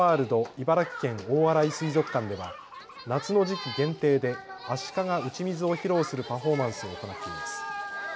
茨城県大洗水族館では夏の時期限定でアシカが打ち水を披露するパフォーマンスを行っています。